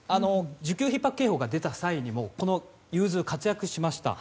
需給ひっ迫警報が出た際にもこの融通は活躍しました。